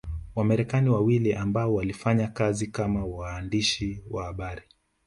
Wamarekani wawili ambao walifanya kazi kama waandishi wa habari